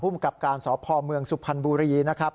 กับการสพเมืองสุพรรณบุรีนะครับ